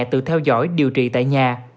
tự theo dõi điều trị tại nhà